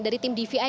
dari tim dvi